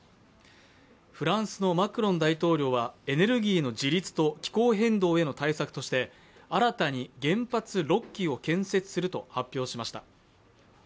フランスのマクロン大統領はエネルギーの自立と気候変動への対策として新たに原発６基を建設すると発表しました。